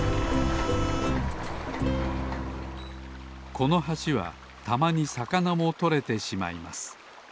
この橋はたまにさかなもとれてしまいます。